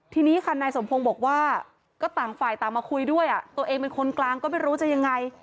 ทีนี้ค่ะนายสมพงศ์บอกว่าก็ต่างฝ่ายต่างมาคุยด้วยตัวเองเป็นคนกลางก็ไม่รู้จะยังไง